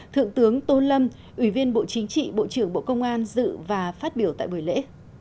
thượng tướng tô lâm ủy viên bộ chính trị bộ trưởng bộ công an dự và phát biểu tại buổi lễ